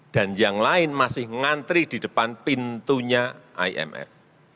dan yang lain masih mengantri di depan pintunya imf